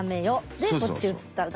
でこっち移っただけ。